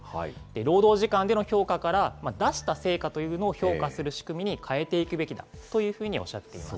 労働時間での評価から出した成果というのを評価する仕組みというのに変えていくべきだというふうにおっしゃっています。